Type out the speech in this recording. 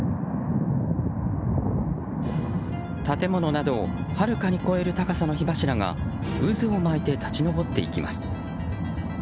建物などをはるかに超える高さの火柱が渦を巻いて立ち上っていきます。